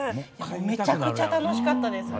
めちゃくちゃ楽しかったです。